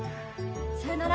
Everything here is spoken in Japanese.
さよなら。